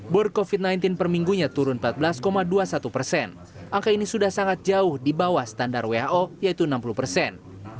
bor covid sembilan belas per minggunya turun empat belas dua puluh satu persen angka ini sudah sangat jauh di bawah standar who yaitu enam puluh persen